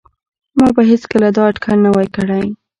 ما به هیڅکله دا اټکل نه وای کړی